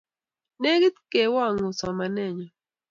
Nekit kewang'u somane nyo.